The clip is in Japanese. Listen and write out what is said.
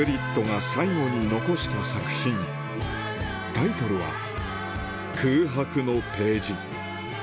タイトルは『空白のページ』